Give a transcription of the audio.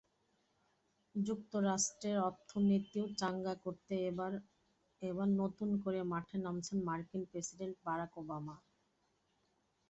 যুক্তরাষ্ট্রের অর্থনীতি চাঙা করতে এবার নতুন করে মাঠে নামছেন মার্কিন প্রেসিডেন্ট বারাক ওবামা।